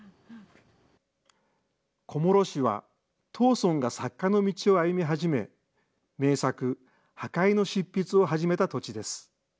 小諸市は、藤村が作家の道を歩み始め、名作、破戒の執筆を始めた土地です。